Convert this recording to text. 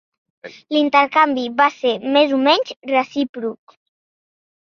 L'intercanvi va ser més o menys recíproc.